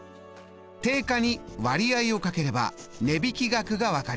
定価に割合を掛ければ値引額が分かります。